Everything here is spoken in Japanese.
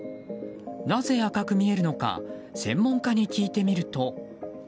なぜ赤く見えるのか専門家に聞いてみると。